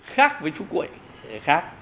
khác với chú quệ khác